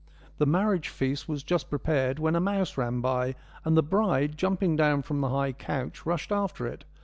The marriage feast was just prepared when a mouse ran by, and the bride, jumping down from the high couch, rushed after it.